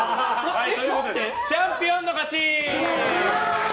チャンピオンの勝ち！